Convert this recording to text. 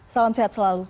salam sehat selalu